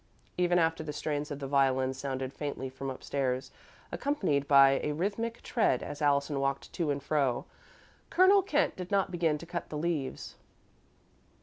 Even after the strains of the violin sounded faintly from upstairs, accompanied by a rhythmic tread as Allison walked to and fro, Colonel Kent did not begin to cut the leaves.